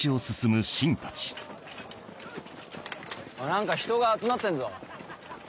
何か人が集まってんぞ。